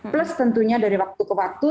plus tentunya dari waktu ke waktu